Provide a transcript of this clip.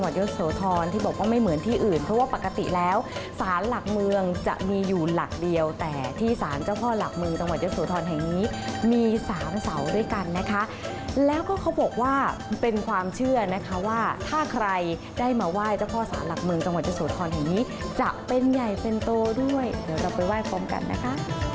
โดนหนังสารเดียวกันนะคะแล้วก็เขาบอกว่าเป็นความเชื่อนะคะว่าถ้าใครได้มาไหว้เจ้าภอสาวน์หลักเมืองจังหวัดย่าโสธรเองนี้จะเป็นใหญ่เป็นโตด้วยเดี๋ยวเราไปไหว้ความรู้กันนะคะ